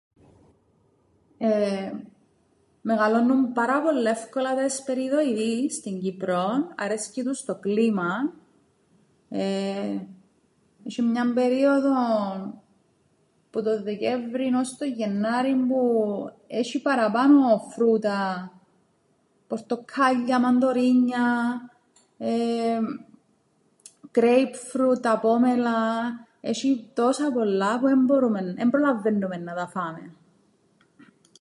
Μεγαλώννουν πάρα πολλά ε΄υκολα τα εσπεριδοειδή στην Κ΄υπρον, αρέσκει τους το κλίμαν. Είσ̆εν μιαν περίοδον που τον Δεκέμβρην ώς τον Γεννάρην που έσ̆ει παραπάνω φρούτα, πορτοκκάλλια, μαντορίνια, γκρέιπφρουτ, τα πόμελα, έσ̆ει τόσα πολλά που εν μπορούμεν, εν μπορούμεν, εν προλαββαίννουμεν να τα φάμεν.